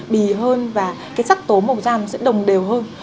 bì hơn và cái sắc tố màu da sẽ đồng đều hơn